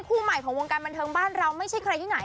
คู่ใหม่ของวงการบันเทิงบ้านเราไม่ใช่ใครที่ไหน